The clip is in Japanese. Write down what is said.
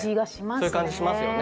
そういう感じしますよね。